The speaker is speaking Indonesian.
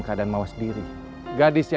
beban persis dgn saya